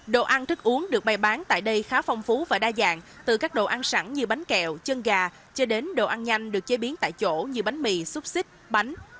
đồ ăn thức uống được bày bán tại đây khá phong phú và đa dạng từ các đồ ăn sẵn như bánh kẹo chân gà cho đến đồ ăn nhanh được chế biến tại chỗ như bánh mì xúc xích bánh